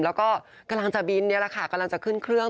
แล้วก็กำลังจะบินนี่แหละค่ะกำลังจะขึ้นเครื่อง